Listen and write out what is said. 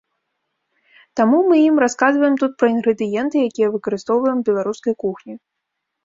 Таму мы ім расказваем тут пра інгрэдыенты, якія выкарыстоўваем у беларускай кухні.